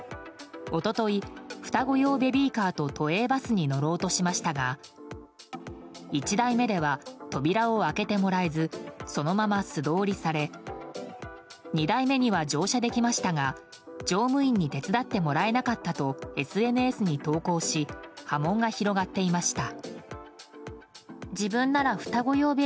一昨日、双子用ベビーカーと都営バスに乗ろうとしましたが１台目では扉を開けてもらえずそのまま素通りされ２台目には乗車できましたが乗務員に手伝ってもらえなかったとＳＮＳに投稿し波紋が広がっていました。